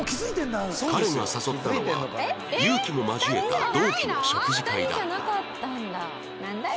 彼が誘ったのは祐希も交えた同期の食事会だった